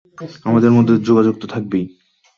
আমাদের মধ্যে যোগাযোগ তো থাকবেই।